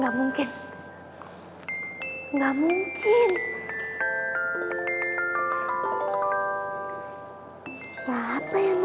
kemarin gue buang apa apa denger jain gue tapi masa iya siapa